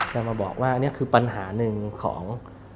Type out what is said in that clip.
จะมาบอกว่าอันนี้คือปัญหาหนึ่งของ